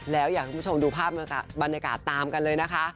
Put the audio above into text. แล้วอยากให้คุณผู้ชมดูภาพบรรยากาศตามกันเลยนะคะ